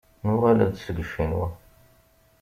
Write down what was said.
Nuɣal-d seg Ccinwa.